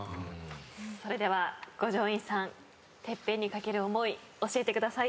それでは五条院さんＴＥＰＰＥＮに懸ける思い教えてください。